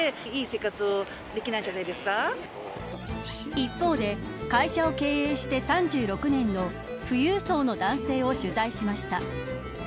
一方で会社を経営して３６年の富裕層の男性を取材しました。